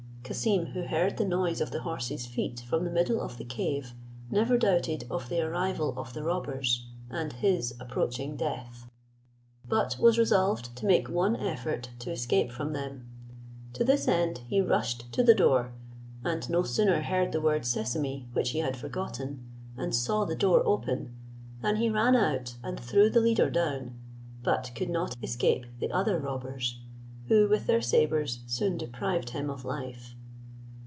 Cassim, who heard the noise of the horses' feet from the middle of the cave, never doubted of the arrival of the robbers, and his approaching death; but was resolved to make one effort to escape from them. To this end he rushed to the door, and no sooner heard the word Sesame, which he had forgotten, and saw the door open, than he ran out and threw the leader down, but could not escape the other robbers, who with their sabres soon deprived him of life.